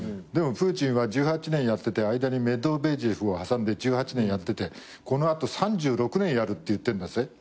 でもプーチンは１８年やってて間にメドベージェフを挟んで１８年やっててこの後３６年やるって言ってんだぜ？